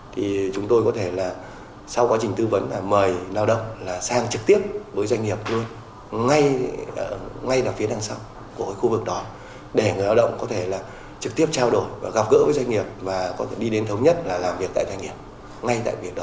thì chúng tôi có thể là sau quá trình tư vấn là mời lao động là sang trực tiếp với doanh nghiệp luôn ngay là phía đằng sau của khu vực đó để người lao động có thể là trực tiếp trao đổi và gặp gỡ với doanh nghiệp và có thể đi đến thống nhất là làm việc tại doanh nghiệp ngay tại việc đó